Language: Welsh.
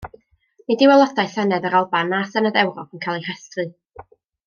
Nid yw Aelodau Senedd yr Alban na Senedd Ewrop yn cael eu rhestru.